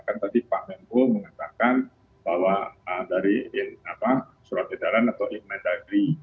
kan tadi pak menko mengatakan bahwa dari surat idaran atau imandagri